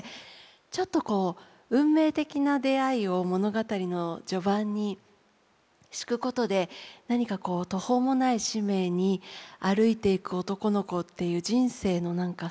ちょっとこう運命的な出会いを物語の序盤に敷くことで何かこう途方もない使命に歩いていく男の子っていう人生の何かスタートラインというのを